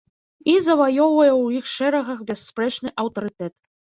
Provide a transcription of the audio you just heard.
І заваёўвае ў іх шэрагах бясспрэчны аўтарытэт.